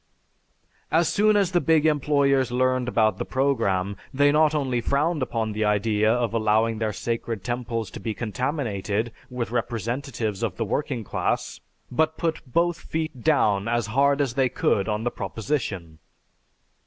As soon as the big employers learned about the program they not only frowned upon the idea of allowing their sacred temples to be contaminated with representatives of the working class, but put both feet down as hard as they could on the proposition.